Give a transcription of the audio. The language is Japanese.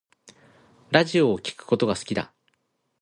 ラジオを聴くことが好きだ